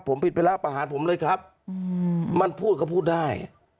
ผมผิดไปแล้วประหารผมเลยครับมันพูดเขาพูดได้